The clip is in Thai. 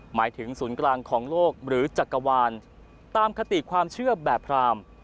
หมายถึงศูนย์กลางของโลกหรือจักรวาลตามคติความเชื่อแบบพราม